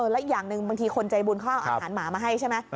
แล้วอีกอย่างหนึ่งบางทีคนใจบุญเขาเอาอาหารหมามาให้ใช่ไหม